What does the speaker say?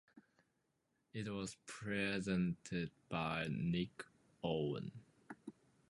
It was presented by Nick Owen.